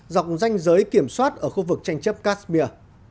dọc danh giới kiểm soát ở khu vực tranh chấp kashmir